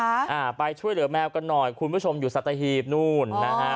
อ่าไปช่วยเหลือแมวกันหน่อยคุณผู้ชมอยู่สัตหีบนู่นนะฮะ